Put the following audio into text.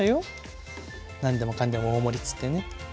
何でもかんでも大盛りっつってね。